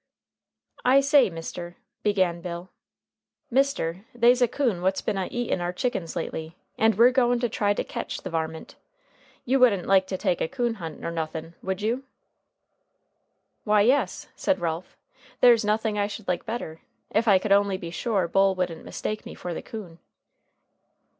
"I say, mister," began Bill, "mister, they's a coon what's been a eatin' our chickens lately, and we're goin' to try to ketch the varmint. You wouldn't like to take a coon hunt nor nothin', would you?" "Why, yes," said Ralph, "there's nothing I should like better, if I could only be sure Bull wouldn't mistake me for the coon."